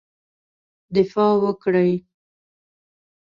دفاع وکړی.